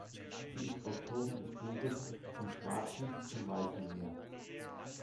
Sie ist Autorin des Buches „Vom Schwarzen zum Weißen Meer“.